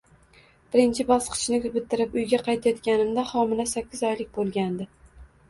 Birinchi bosqichni bitirib, uyga qaytayotganimda, homila sakkiz oylik bo`lgandi